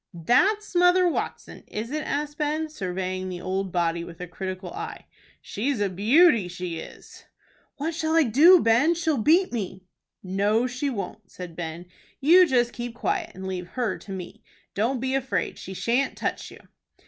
"That's Mother Watson, is it?" asked Ben, surveying the old body with a critical eye. "She's a beauty, she is!" "What shall I do, Ben? She'll beat me." "No, she won't," said Ben. "You just keep quiet, and leave her to me. Don't be afraid. She shan't touch you."